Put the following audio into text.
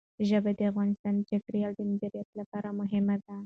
ژبې د افغانستان د چاپیریال د مدیریت لپاره مهم دي.